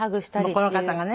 この方がね。